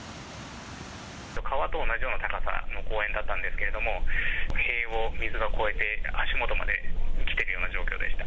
川と同じような高さの公園だったんですけれども、塀を水が越えて、足元まで来てるような状況でした。